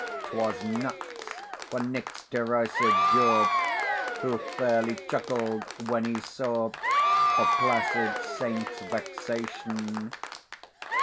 'Twas nuts for Nick's derisive jaw, Who fairly chuckled when he saw The placid saint's vexation.